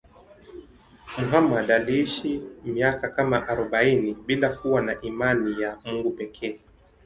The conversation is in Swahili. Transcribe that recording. Muhammad aliishi miaka kama arobaini bila kuwa na imani ya Mungu pekee.